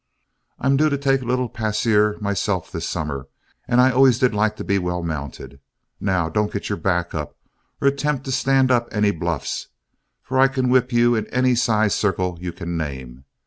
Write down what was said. I'm due to take a little pasear myself this summer, and I always did like to be well mounted. Now, don't get your back up or attempt to stand up any bluffs, for I can whip you in any sized circle you can name.